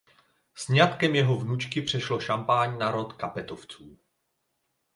Sňatkem jeho vnučky přešlo Champagne na rod Kapetovců.